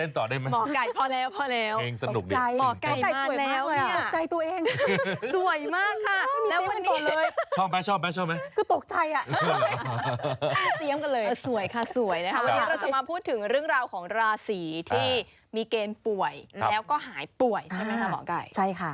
ตะแดนตัวจริงค่ะสวัสดีค่ะภาพพระอาจารย์ครับ